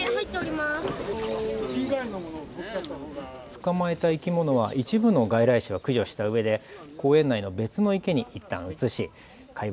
捕まえた生き物は一部の外来種は駆除したうえで公園内の別の池にいったん移し、かい